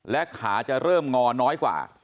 และขาจะเริ่มงอน้อยกว่า